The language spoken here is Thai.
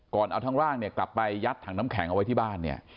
ก่อนเอาทางร่างกลับไปยัดถังน้ำแข็งเอาไว้ที่บ้าน